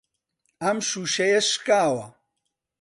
ئەم شووشەیە شکاوە.